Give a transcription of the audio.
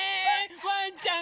ワンちゃん